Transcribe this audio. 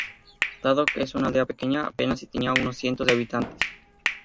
Dado que es una aldea pequeña, apenas si tenía unos cientos de habitantes.